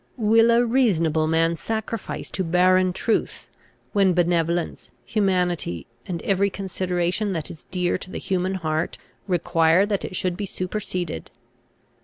Will a reasonable man sacrifice to barren truth, when benevolence, humanity, and every consideration that is dear to the human heart, require that it should be superseded?